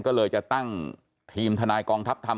ก็เลยจะตั้งทีมทนายกองทัพธรรม